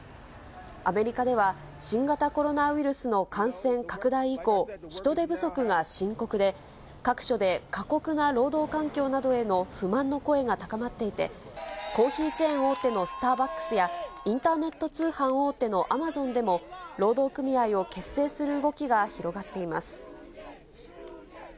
アメリカでは、新型コロナウイルスの感染拡大以降、人手不足が深刻で、各所で過酷な労働環境などへの不満の声が高まっていて、コーヒーチェーン大手のスターバックスや、インターネット通販大手のアマゾンでも、労働組合を結成する動きが広がっています。